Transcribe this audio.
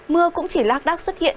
mưa cũng chỉ lạc đắc xuất hiện